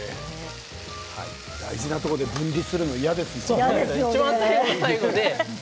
大事なところで分離するのは嫌ですよね。